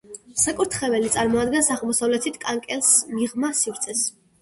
საკურთხეველი წარმოადგენს აღმოსავლეთით, კანკელს მიღმა სივრცეს.